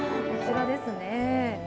こちらですね。